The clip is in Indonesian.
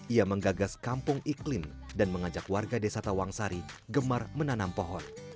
ia menggagas kampung iklim dan mengajak warga desa tawangsari gemar menanam pohon